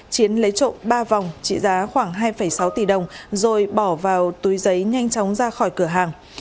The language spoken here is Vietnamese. chiến lấy trộm ba vòng trị giá khoảng hai sáu tỷ đồng rồi bỏ vào túi giấy nhanh chóng ra khỏi cửa hàng